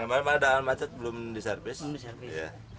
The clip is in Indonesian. pada malam malam ada alam macet belum diservis